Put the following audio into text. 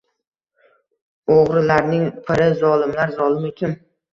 O’g’rilarning piri, zolimlar zolimi kim?